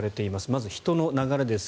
まず人の流れです。